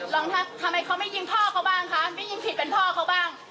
ทำไมเขาไม่ยิงพ่อเขาบ้างคะไม่ยิงผิดเป็นพ่อเขาบ้าง